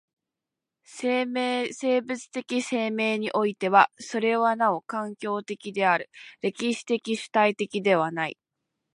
生物的生命においてはそれはなお環境的である、歴史的主体的ではない。